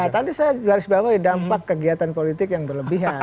ya tadi saya jelas bahwa dampak kegiatan politik yang berlebihan